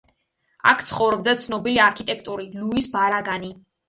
აქ ცხოვრობდა ცნობილი არქიტექტორი ლუის ბარაგანი.